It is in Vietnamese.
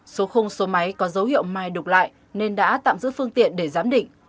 số khung số máy có dấu hiệu mai đục lại nên đã tạm giữ phương tiện để giám định